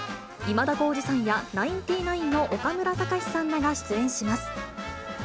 今田耕司さんや、ナインティナインの岡村隆史さんらが出演します。